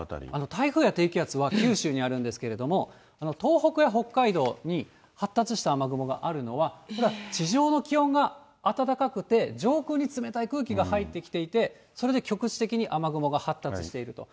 台風や低気圧は九州にあるんですけれども、東北や北海道に発達した雨雲があるのは、地上の気温が暖かくて、上空に冷たい空気が入ってきていて、それで局地的に雨雲が発達していると。